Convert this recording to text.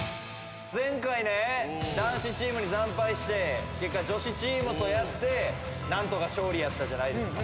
前回ね男子チームに惨敗して結果女子チームとやって何とか勝利やったじゃないですか。